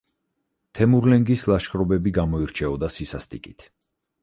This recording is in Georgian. თემურლენგის ლაშქრობები გამოირჩეოდა სისასტიკით.